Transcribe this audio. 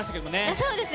そうですね。